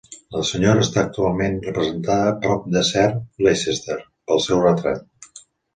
La senyora està actualment representada, prop de Sir Leicester, pel seu retrat.